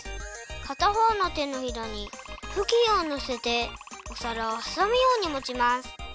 かたほうの手のひらにふきんをのせてお皿をはさむようにもちます。